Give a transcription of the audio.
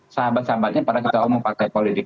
sahabat sahabatnya para ketua umum partai politik